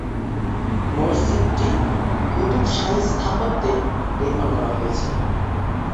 মসজিদটি কুতুব শাহী স্থাপত্যে নির্মাণ করা হয়েছে।